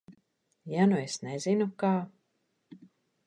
Ja nu es nezinu, kā?